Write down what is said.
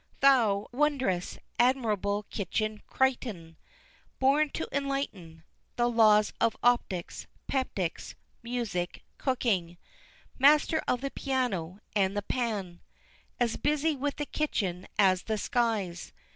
Thou Wondrous, Admirable Kitchen Crichton! Born to enlighten The laws of Optics, Peptics, Music, Cooking Master of the Piano and the Pan As busy with the kitchen as the skies!